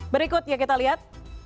berikut ya kita lihat